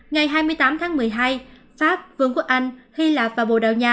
ngày hai mươi tám tháng một mươi hai pháp vương quốc anh hy lạp và bồ đào nha